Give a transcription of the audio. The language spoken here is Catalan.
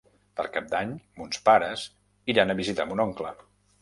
Per Cap d'Any mons pares iran a visitar mon oncle.